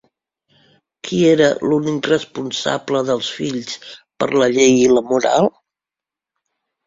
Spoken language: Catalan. Qui era l'únic responsable dels fills per la llei i la moral?